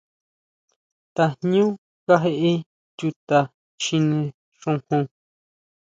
¿Tajñu kajeʼe chuta Chjine xujun?